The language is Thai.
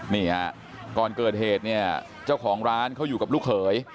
นี่ฮะก่อนเกิดเหตุเนี่ยเจ้าของร้านเขาอยู่กับลูกเขย